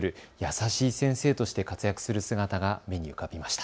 優しい先生として活躍する姿が目に浮かびました。